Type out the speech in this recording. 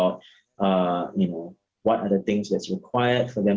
untuk orang orang bisa pergi ke